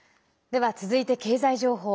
では、続いて経済情報。